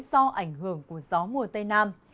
do ảnh hưởng của gió môi tây nam